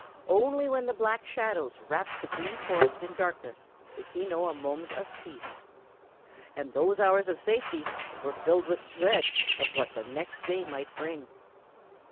Only when the Black Shadows wrapped the Green Forest in darkness did he know a moment of peace. And those hours of safety were filled with dread of what the next day might bring.